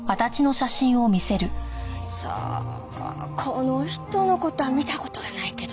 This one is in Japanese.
さあこの人の事は見た事がないけど。